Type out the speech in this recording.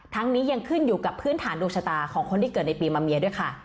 นี้ยังขึ้นอยู่กับพื้นฐานดวงชะตาของคนที่เกิดในปีมะเมียด้วยค่ะ